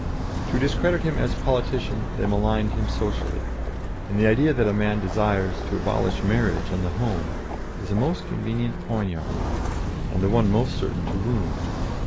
To discredit him as politician they maligned him socially, and the idea that a man desires "to abolish marriage and the home," is a most convenient poniard, and the one most certain to wound.